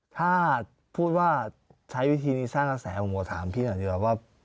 ถ้าพูดว่าใช้วิธีนี้สร้างกระแสของหมอถามพี่หน่อยดีกว่าว่า